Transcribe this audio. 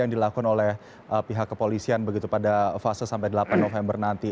yang dilakukan oleh pihak kepolisian begitu pada fase sampai delapan november nanti